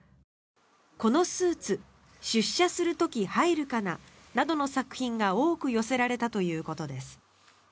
「このスーツ出社するとき入るかな」などの作品が多く寄せられたということです。